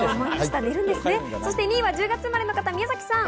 ２位は１０月生まれの方、宮崎さん。